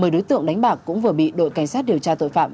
một mươi đối tượng đánh bạc cũng vừa bị đội cảnh sát điều tra tội phạm